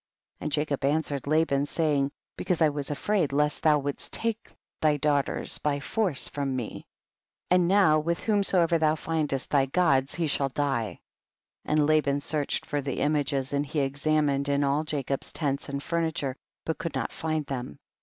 49. And Jacob answered Laban, saying, because I was afraid lest thou wouldst take thy daughters by force from me ; and now with whomso ever thou findest thy gods he shall die. 50. And Laban searched for the images and he examined in all Ja cob's tents and furniture, but could not find them.